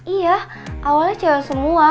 iya awalnya cewek semua